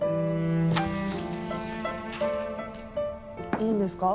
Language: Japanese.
いいんですか？